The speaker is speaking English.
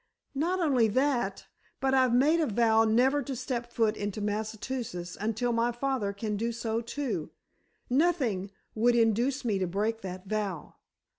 "Not only that—but I've made a vow never to step foot into Massachusetts until my father can do so, too. Nothing would induce me to break that vow!"